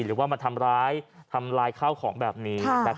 หรือว่ามาทำร้ายทำลายข้าวของแบบนี้